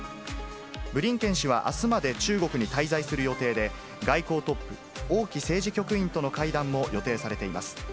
ブリンケン氏はあすまで中国に滞在する予定で、外交トップ、王毅政治局員との会談も予定されています。